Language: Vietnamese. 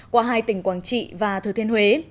qua hai tỉnh quảng trị và thừa thiên huế